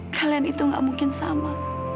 kalian itu gak mungkin sama